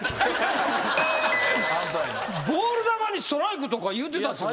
ボール球にストライクとか言うてたってことですか？